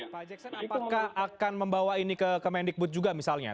pak jackson apakah akan membawa ini ke kemendikbud juga misalnya